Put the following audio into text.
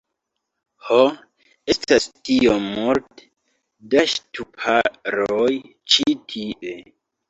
Ho, estas tiom multe da ŝtuparoj ĉi tie